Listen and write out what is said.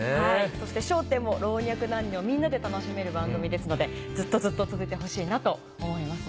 そして『笑点』も老若男女みんなで楽しめる番組ですのでずっとずっと続いてほしいなと思いますね。